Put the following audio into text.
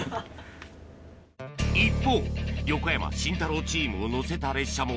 一方横山・慎太郎チームを乗せた列車も